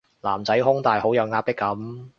男仔胸大好有壓迫感